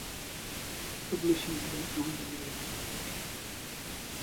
Publishing then owned the magazine.